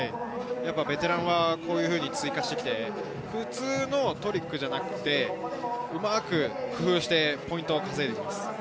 ベテランはこういうふうに追加して普通のトリックではなくて、うまく工夫してポイントを稼いできます。